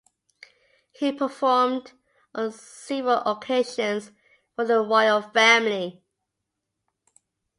He performed on several occasions for the Royal family.